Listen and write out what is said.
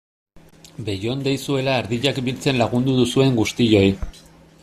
Bejondeizuela ardiak biltzen lagundu duzuen guztioi!